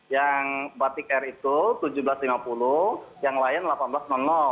yang batik air itu tujuh belas lima puluh yang lion delapan belas